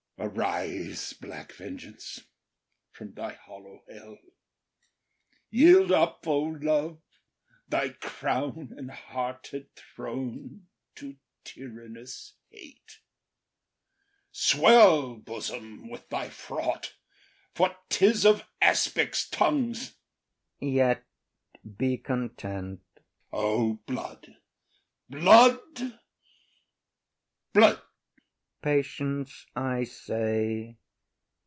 Arise, black vengeance, from thy hollow hell! Yield up, O love, thy crown and hearted throne To tyrannous hate! Swell, bosom, with thy fraught, For ’tis of aspics’ tongues! IAGO. Yet be content. OTHELLO. O, blood, Iago, blood! IAGO. Patience, I say.